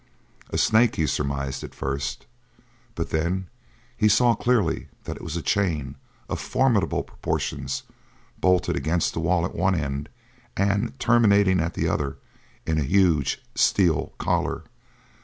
A snake, he surmised at first, but then he saw clearly that it was a chain of formidable proportions bolted against the wall at one end and terminating at the other in a huge steel collar.